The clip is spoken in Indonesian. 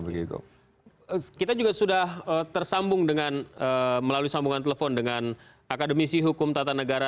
kita juga sudah tersambung dengan melalui sambungan telepon dengan akademisi hukum tata negara